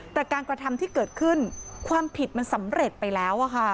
แต่การกระทำที่เกิดขึ้นความผิดมันสำเร็จไปแล้ว